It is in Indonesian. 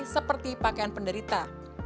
seperti pakaian penderita